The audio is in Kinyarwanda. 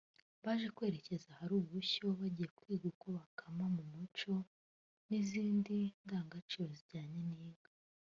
Baje kwerekeza ahari ubushyo bagiye kwiga uko bakama mu muco n’izindi ndangagaciro zijyanye n’inka